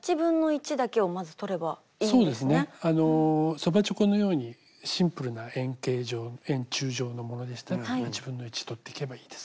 そばちょこのようにシンプルな円形状円柱状のものでしたら取っていけばいいです。